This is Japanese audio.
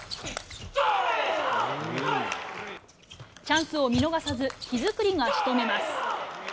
チャンスを見逃さず、木造がしとめます。